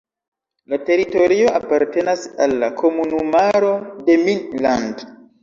La teritorio apartenas al la komunumaro "Demmin-Land".